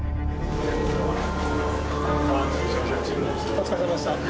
お疲れさまでした。